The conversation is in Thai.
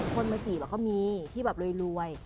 คนมาจีบก็มีที่แบบรวย